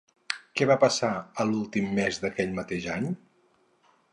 Què va passar a l'últim mes d'aquell mateix any?